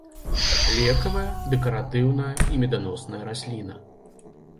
Лекавая, дэкаратыўная і меданосная расліна.